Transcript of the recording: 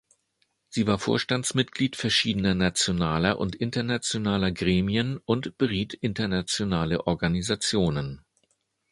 Sie war Vorstandsmitglied verschiedener nationaler und internationaler Gremien und beriet internationale Organisationen.